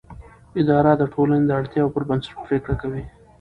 اداره د ټولنې د اړتیاوو پر بنسټ پریکړه کوي.